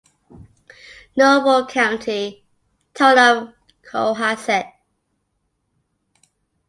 Norfolk County: Town of Cohasset.